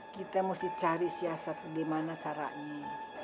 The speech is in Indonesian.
kita mesti cari siasat gimana caranya